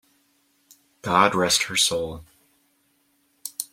God rest her soul!